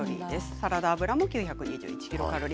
サラダ油も９２１ｋｃａｌ。